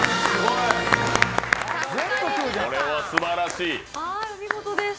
これはすばらしい。